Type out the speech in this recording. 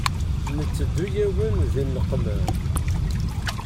Nteddu-yawen di nneqma.